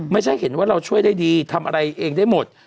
ไม่ใช่เห็นว่าเราช่วยได้ดีทำอะไรเองได้หมด